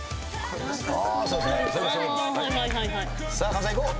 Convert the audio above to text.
神田さんいこう。